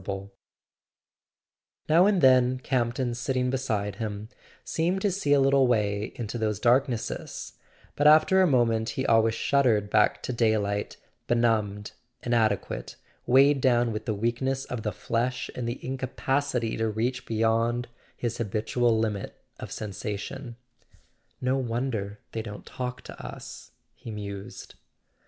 [ 402 ] A SON AT THE FRONT Now and then Campton, sitting beside him, seemed to see a little way into those darknesses; but after a moment he always shuddered back to daylight, be¬ numbed, inadequate, weighed down with the weakness of the flesh and the incapacity to reach beyond his habitual limit of sensation. "No wonder they don't talk to us," he mused.